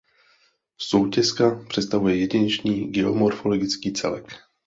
Soutěska představuje jedinečný geomorfologický celek.